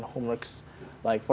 untuk guru dengan satu klik butang